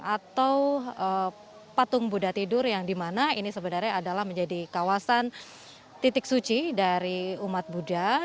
atau patung buddha tidur yang dimana ini sebenarnya adalah menjadi kawasan titik suci dari umat buddha